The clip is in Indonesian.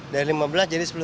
dari lima belas jadi sepuluh